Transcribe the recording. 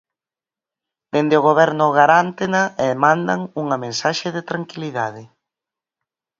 Dende o Goberno garántena e mandan unha mensaxe de tranquilidade.